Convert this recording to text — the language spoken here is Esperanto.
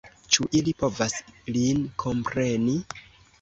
Ĉu ili povas lin kompreni?